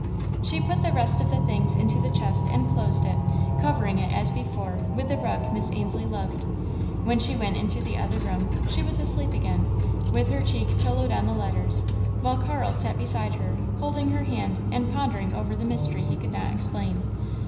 She put the rest of the things into the chest and closed it, covering it, as before, with the rug Miss Ainslie loved. When she went into the other room, she was asleep again, with her cheek pillowed on the letters, while Carl sat beside her, holding her hand and pondering over the mystery he could not explain.